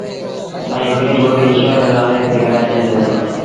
ائيٚݩ هڪڙيٚ ٻوريٚ ايٚشور ري نآلي تي ورهآئي ڇڏي دو